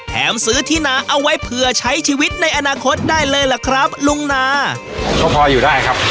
ซื้อที่นาเอาไว้เผื่อใช้ชีวิตในอนาคตได้เลยล่ะครับลุงนาก็พออยู่ได้ครับ